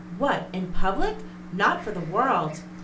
"What, in public! Not for the world!"